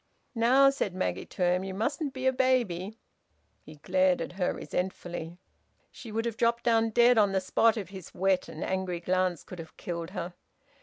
"Now," said Maggie to him, "you mustn't be a baby!" He glared at her resentfully. She would have dropped down dead on the spot if his wet and angry glance could have killed her.